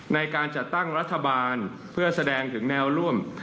ในการจัดตั้งรัฐบาลเพื่อแสดงถึงแนวร่วม